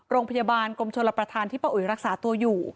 โรงพยาบาลกรมชลประธานที่ป้าอุ๋ยรักษาตัวอยู่